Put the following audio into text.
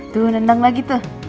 tuh nundang lagi tuh